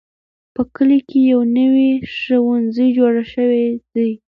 په کلي کې یو نوی ښوونځی جوړ شوی دی.